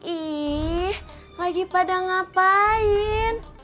ih lagi pada ngapain